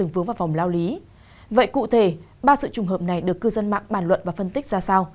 vậy cụ thể ba sự trùng hợp này được cư dân mạng bàn luận và phân tích ra sao